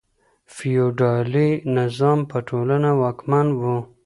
فیوډالي نظام په ټولنه واکمن و.